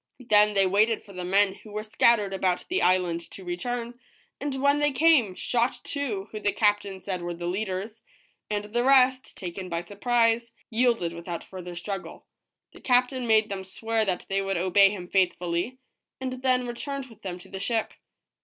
Then they waited for the men who were scattered about the island to return, and when they came, shot two who the cap tain said were the leaders ; and the rest, taken by surprise, yielded without further struggle. The captain made them swear that they would obey him faithfully, and then returned with them to the ship.